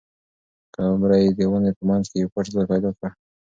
قمرۍ د ونې په منځ کې یو پټ ځای پیدا کړ.